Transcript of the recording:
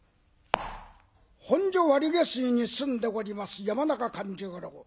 本所割下水に住んでおります山中勘十郎。